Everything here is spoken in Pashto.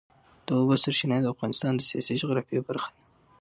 د اوبو سرچینې د افغانستان د سیاسي جغرافیه برخه ده.